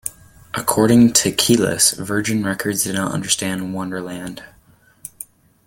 According to Kelis, Virgin Records did not understand "Wanderland".